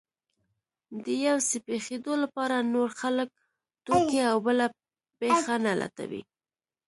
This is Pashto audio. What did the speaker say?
د يو څه پېښېدو لپاره نور خلک، توکي او بله پېښه نه لټوي.